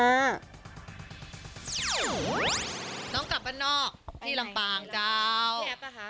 น้องกลับอันนอกที่ลำปางเจ้า